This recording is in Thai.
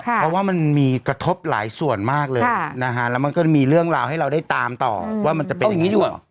เพราะว่ามันมีกระทบหลายส่วนมากเลยนะฮะแล้วมันก็มีเรื่องราวให้เราได้ตามต่อว่ามันจะเป็นอย่างนี้ดีกว่า